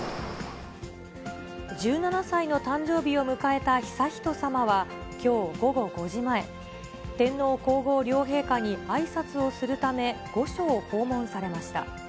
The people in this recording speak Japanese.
１７歳の誕生日を迎えた悠仁さまは、きょう午後５時前、天皇皇后両陛下にあいさつをするため、御所を訪問されました。